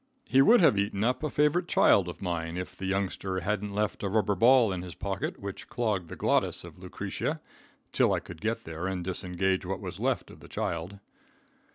He would have eaten up a favorite child of mine, if the youngster hadn't left a rubber ball in his pocket which clogged the glottis of Lucretia till I could get there and disengage what was left of the child.